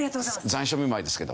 残暑見舞いですけど。